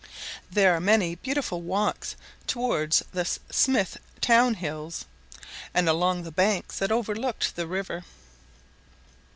There are many beautiful walks towards the Smith town hills, and along the banks that overlook the river.